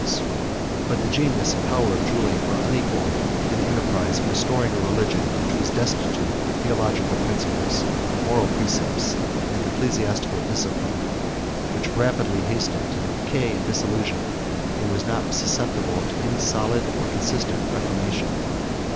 ] But the genius and power of Julian were unequal to the enterprise of restoring a religion which was destitute of theological principles, of moral precepts, and of ecclesiastical discipline; which rapidly hastened to decay and dissolution, and was not susceptible of any solid or consistent reformation.